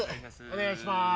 お願いします。